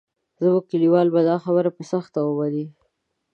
زموږ کلیوال به دا خبره په سخته ومني.